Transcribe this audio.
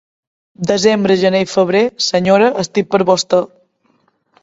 Desembre, gener i febrer, senyora, estic per vostè.